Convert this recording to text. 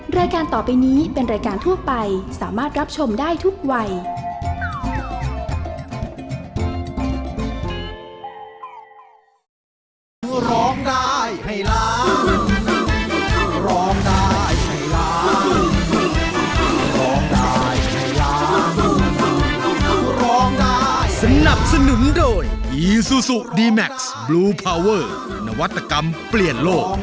รายการต่อไปนี้เป็นรายการทั่วไปสามารถรับชมได้ทุกวัย